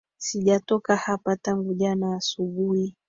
Sijatoka hapa tangu jana asubuhi